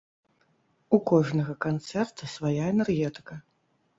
У кожнага канцэрта свая энергетыка.